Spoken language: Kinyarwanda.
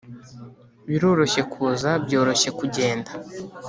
biroroshye kuza, byoroshye kugenda